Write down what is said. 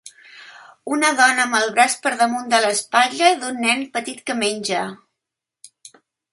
Una dona amb el braç per damunt l'espatlla d'un nen petit que menja.